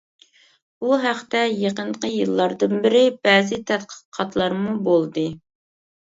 بۇ ھەقتە يېقىنقى يىللاردىن بېرى بەزى تەتقىقاتلارمۇ بولدى.